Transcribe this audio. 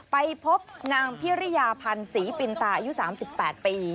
ไปพบนางพิริยาพันธ์ศรีปินตาอายุ๓๘ปี